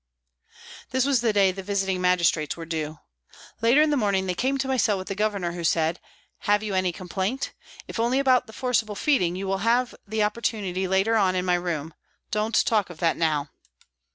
This was the day the Visiting Magistrates were due. Later in the morning they came to my cell with the Governor, who said, " Have you any com plaint ? If only about the forcible feeding, you will have the opportunity later on in my room ; don't talk of that now."